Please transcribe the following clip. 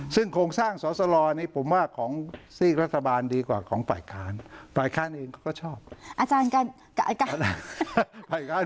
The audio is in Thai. ซึ่งโครงสร้างสอสลอนี้ผมว่าของซีกรัฐบาลดีกว่าของฝ่ายค้านฝ่ายค้านอื่นเขาก็ชอบอาจารย์การฝ่ายค้านบางคนนะฮะ